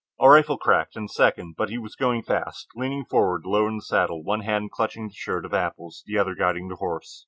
A rifle cracked, and a second, but he was going fast, leaning forward, low in the saddle, one hand clutching the shirt of apples, the other guiding the horse.